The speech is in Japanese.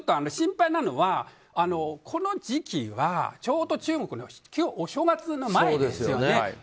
それでも心配なのはこの時期はちょうど中国のお正月の前ですよね。